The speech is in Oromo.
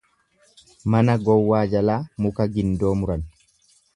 Mana gowwaa jalaa muka gindoo muran.